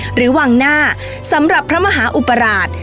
หรือวังหน้าสำหรับพระมหาอุปราช